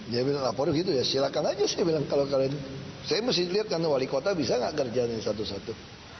dia bilang laporan gitu ya silahkan aja saya bilang kalau kalian saya mesti lihat kan wali kota bisa nggak kerjaan yang satu satu